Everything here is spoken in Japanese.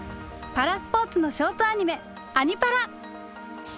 パラスポーツのショートアニメ「アニ×パラ」！